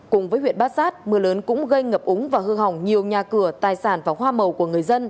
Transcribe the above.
cùng với huyện bát sát mưa lớn cũng gây ngập úng và hư hỏng nhiều nhà cửa tài sản và hoa màu của người dân